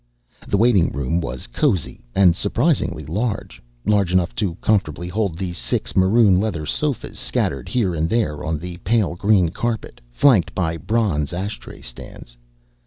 The waiting room was cozy and surprisingly large, large enough to comfortably hold the six maroon leather sofas scattered here and there on the pale green carpet, flanked by bronze ashtray stands.